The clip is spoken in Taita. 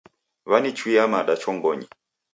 Wanichuia mada chongonyi.